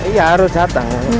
iya harus datang